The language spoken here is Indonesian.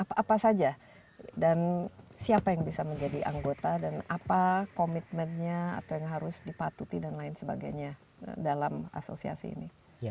apa apa saja dan siapa yang bisa menjadi anggota dan apa komitmennya atau yang harus dipatuti dan lain sebagainya dalam asosiasi ini